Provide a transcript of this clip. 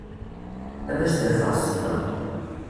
Ad s-d-afeɣ ssebba.